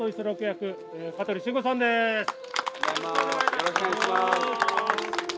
よろしくお願いします。